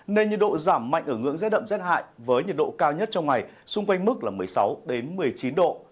nên nhiệt độ giảm mạnh ở ngưỡng rét đậm rét hại với nhiệt độ cao nhất trong ngày xung quanh mức là một mươi sáu một mươi chín độ